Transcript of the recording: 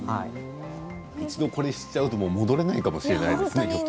一度これをしちゃうと戻れないかもしれないですね。